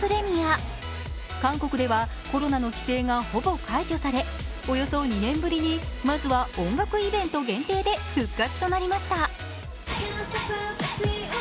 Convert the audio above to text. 韓国ではコロナの規制がほぼ解除されおよそ２年ぶりにまずは音楽イベント限定で復活となりました。